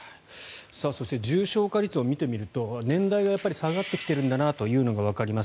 そして重症化率を見てみると年代が下がってきているのがわかります。